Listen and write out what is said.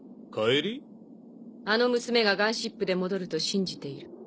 あの娘がガンシップで戻ると信じている。